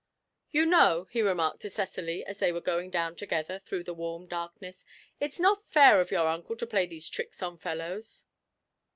'You know,' he remarked to Cecily, as they were going down together through the warm darkness, 'it's not fair of your uncle to play these tricks on fellows.'